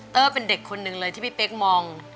เตอร์เป็นเด็กคนนึงเลยที่พี่เป๊กมอง